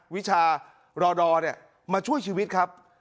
วิชารอดอมาช่วยชีวิตครับ